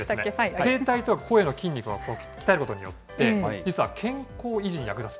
声帯と声の筋肉を鍛えることによって、実は健康維持に役立つ。